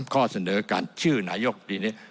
ข้อเสนอการชื่อนายกปีนี้